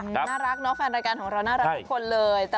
น่ารักเนาะแฟนรายการของเราน่ารักทุกคนเลย